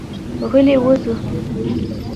غلي وځو.